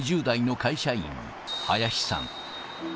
２０代の会社員、林さん。